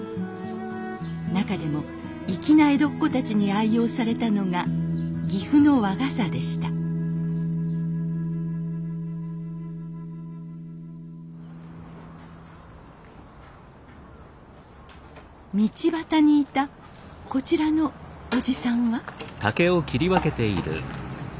なかでも粋な江戸っ子たちに愛用されたのが岐阜の和傘でした道端にいたこちらのおじさんは？